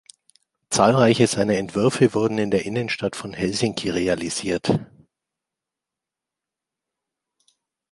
Zahlreiche seiner Entwürfe wurden in der Innenstadt von Helsinki realisiert.